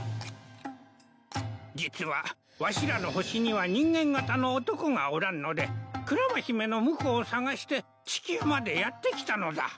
実はわしらの星には人間型の男がおらんのでクラマ姫の婿を探して地球までやって来たのだ。